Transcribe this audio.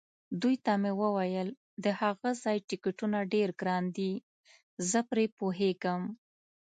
دوی ته مې وویل: د هغه ځای ټکټونه ډېر ګران دي، زه پرې پوهېږم.